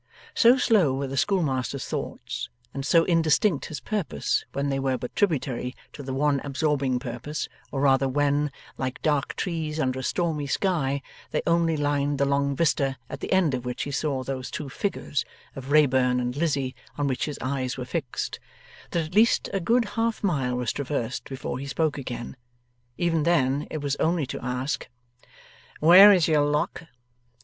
So slow were the schoolmaster's thoughts, and so indistinct his purposes when they were but tributary to the one absorbing purpose or rather when, like dark trees under a stormy sky, they only lined the long vista at the end of which he saw those two figures of Wrayburn and Lizzie on which his eyes were fixed that at least a good half mile was traversed before he spoke again. Even then, it was only to ask: 'Where is your Lock?